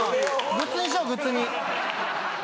グッズにしようグッズに。